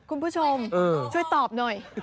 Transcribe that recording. คุณผู้ชมช่วยตอบหน่อย